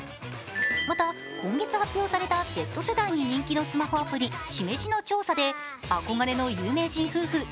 また、今月発表されたＺ世代に人気のスマホアプリＳｉｍｅｊｉの調査で、憧れの有名人夫婦